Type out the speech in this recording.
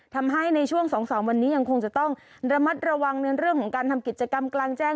ทำให้ในช่วง๒๓วันนี้ยังคงจะต้องระมัดระวังในเรื่องของการทำกิจกรรมกลางแจ้ง